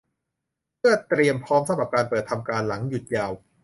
เพื่อเตรียมพร้อมสำหรับการเปิดทำการหลังหยุดยาว